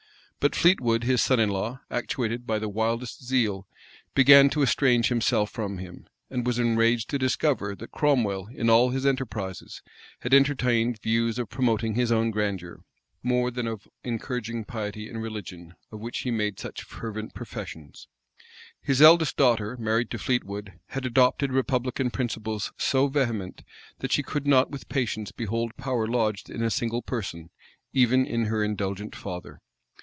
But Fleetwood, his son in law, actuated by the wildest zeal, began to estrange himself from him; and was enraged to discover, that Cromwell, in all his enterprises, had entertained views of promoting his own grandeur, more than of encouraging piety and religion, of which he made such fervent professions. His eldest daughter, married to Fleetwood, had adopted republican principles so vehement, that she could not with patience behold power lodged in a single person, even in her indulgent father.